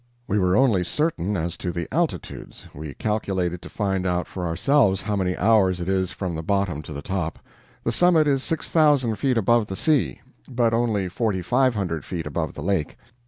We were only certain as to the altitudes we calculated to find out for ourselves how many hours it is from the bottom to the top. The summit is six thousand feet above the sea, but only forty five hundred feet above the lake.